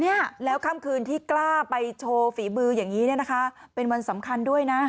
เนี่ยแล้วค่ำคืนที่กล้าไปโชว์ฝีมืออย่างนี้เนี่ยนะคะเป็นวันสำคัญด้วยนะ